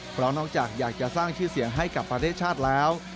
เพราะนอกจากอยากจะสร้างชื่อเสียงให้กับประเทศชาติแล้ว